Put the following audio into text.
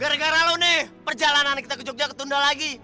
gara gara lo nih perjalanan kita ke jogja ketunda lagi